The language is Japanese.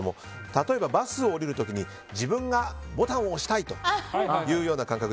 例えばバスを降りる時に自分がボタンを押したいという感覚。